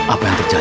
apa yang terjadi